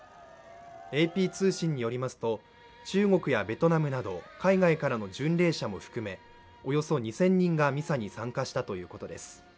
ＡＰ通信によりますと中国やベトナムなど海外からの巡礼者も含めおよそ２０００人がミサに参加したということです